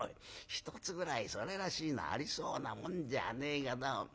１つぐらいそれらしいのありそうなもんじゃねえかどうも。